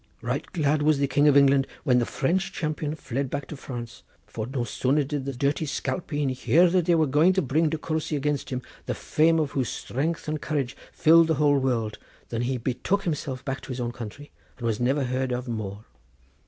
Right glad was the King of England when the French champion fled back to France, for no sooner did the dirty spalpeen hear that they were going to bring De Courcy against him, the fame of whose strength and courage filled the whole world, than he betook himself back to his own country and was never heard of more.